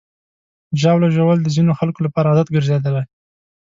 ژاوله ژوول د ځینو خلکو لپاره عادت ګرځېدلی.